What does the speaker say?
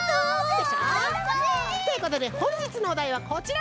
でしょ？ということでほんじつのおだいはこちら！